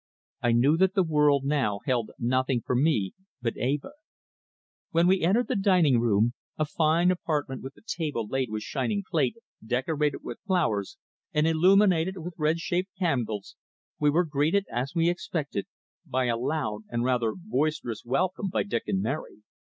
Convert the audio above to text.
I knew that the world now held nothing for me but Eva. When we entered the dining room, a fine apartment with the table laid with shining plate, decorated with flowers, and illuminated with red shaded candles, we were greeted, as we expected, by a loud and rather boisterous welcome by Dick and Mary.